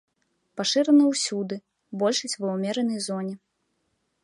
Пашыраны ўсюды, большасць ва ўмеранай зоне.